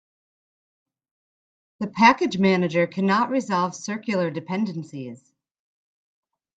The package manager cannot resolve circular dependencies.